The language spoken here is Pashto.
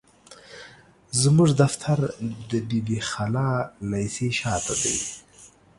زموږ دفتر د بي بي خالا ليسي شاته دي.